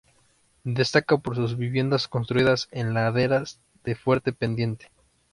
Destaca por sus viviendas construidas en laderas de fuerte pendiente.